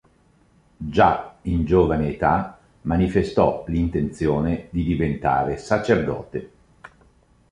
Già in giovane età manifestò l'intenzione di diventare sacerdote.